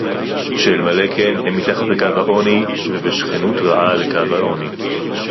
שאלמלא כן הם מתחת לקו העוני ובשכנות רעה לקו העוני